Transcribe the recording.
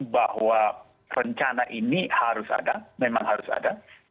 bahwa rencana ini harus ada memang harus ada